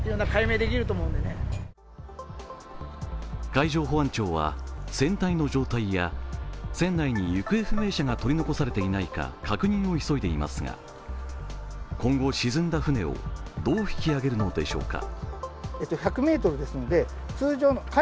海上保安庁は船体の状態や船内に行方不明者が取り残されていないか確認を急いでいますが今後、沈んだ船をどう引き揚げるのでしょうか？